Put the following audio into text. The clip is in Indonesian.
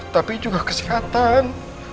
tapi juga kesehatan